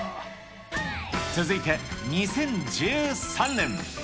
続いて２０１３年。